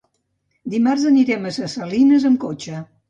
Dimarts anirem a Ses Salines amb cotxe.